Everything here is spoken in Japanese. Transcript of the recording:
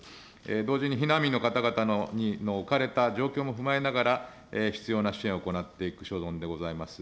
同時に避難民の方々の置かれた状況も踏まえながら、必要な支援を行っていく所存でございます。